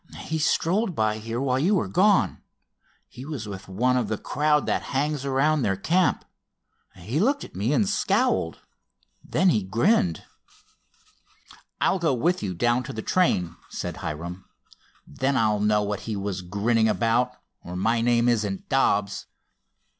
"He strolled by here while you were gone. He was with one of the crowd that hangs around their camp. He looked at me and scowled. Then he grinned." "I'll go with you down to the train," said Hiram. "Then I'll know what he was grinning about, or my name isn't Dobbs!"